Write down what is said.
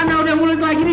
anda udah mulus lagi nih